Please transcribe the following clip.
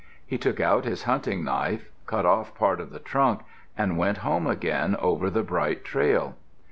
He took out his hunting knife, cut off part of the trunk, and went home again over the bright trail.